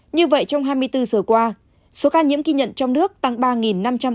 như vậy trong hai mươi bốn giờ qua số ca nhiễm ghi nhận trong nước tăng ba năm trăm linh ca